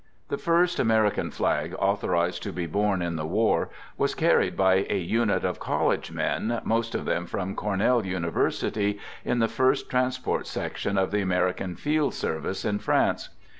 The first American flag authorized to be borne in the war was carried by a unit of college men, most of them from Cornell University, in the first trans port section of the American Field Service in France.